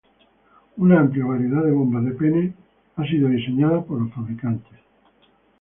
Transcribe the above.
Una amplia variedad de bombas de pene ha sido diseñada por los fabricantes.